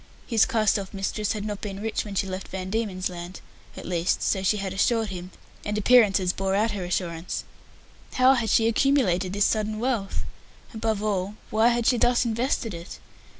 His cast off mistress had not been rich when she left Van Diemen's Land at least, so she had assured him, and appearances bore out her assurance. How had she accumulated this sudden wealth? Above all, why had she thus invested it?